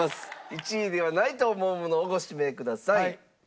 １位ではないと思うものをご指名ください。